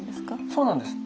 そうなんです。